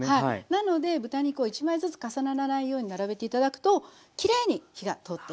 なので豚肉を１枚ずつ重ならないように並べて頂くときれいに火が通っていきます。